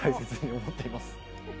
大切に思っています。